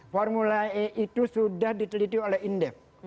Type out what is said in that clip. formula e itu sudah diteliti oleh indef